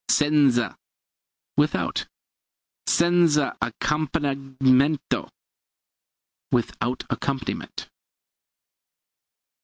Senza without. Senza accompagnamento without accompaniment.